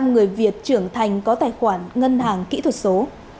hai mươi ba người việt trưởng thành có tài khoản ngân hàng kỹ thuật số